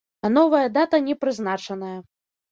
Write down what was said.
А новая дата не прызначаная.